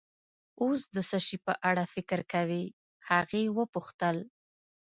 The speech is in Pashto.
اوس د څه شي په اړه فکر کوې؟ هغې وپوښتل.